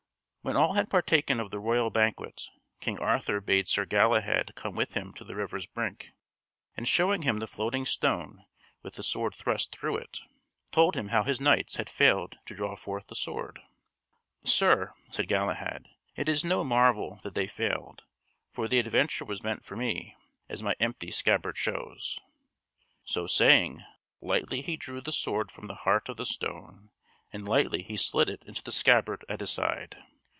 When all had partaken of the royal banquet, King Arthur bade Sir Galahad come with him to the river's brink; and showing him the floating stone with the sword thrust through it, told him how his knights had failed to draw forth the sword. "Sir," said Galahad, "it is no marvel that they failed, for the adventure was meant for me, as my empty scabbard shows." So saying, lightly he drew the sword from the heart of the stone, and lightly he slid it into the scabbard at his side.